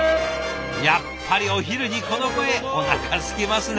やっぱりお昼にこの声おなかすきますね。